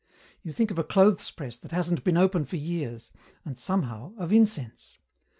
You think of a clothes press that hasn't been open for years, and, somehow, of incense.